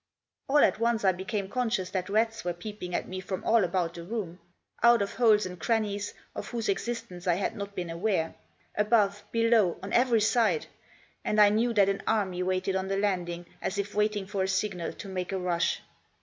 All at once I became conscious that rats were peeping at me from all about the room ; out of holes and crannies of whose existence I had not been aware ; above, below, on every side. And I knew that an army waited on the landing, as if waiting for a signal to make a rush.